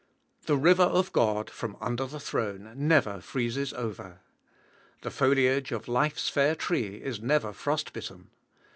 The River of God, from under the Throne, never freezes over. The foliage of Life's fair tree is never frost bitten.